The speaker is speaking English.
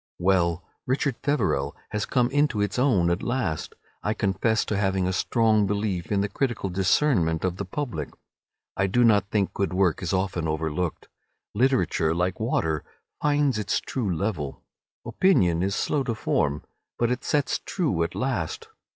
Well, "Richard Feverel" has come into its own at last. I confess to having a strong belief in the critical discernment of the public. I do not think good work is often overlooked. Literature, like water, finds its true level. Opinion is slow to form, but it sets true at last.